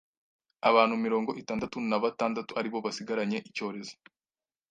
abantu mirongo itandatu na batandatu aribo basigaranye icyorezo